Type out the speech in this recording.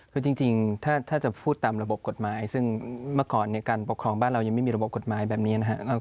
คือจริงถ้าจะพูดตามระบบกฎหมายซึ่งเมื่อก่อนการปกครองบ้านเรายังไม่มีระบบกฎหมายแบบนี้นะครับ